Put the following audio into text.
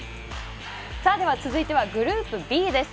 続いてはグループＢです。